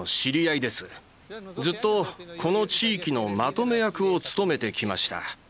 ずっとこの地域のまとめ役を務めてきました。